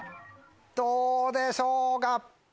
どうでしょうか？